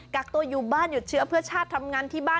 กักตัวอยู่บ้านหยุดเชื้อเพื่อชาติทำงานที่บ้าน